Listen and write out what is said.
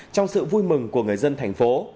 trong sự vui mừng của người dân thành phố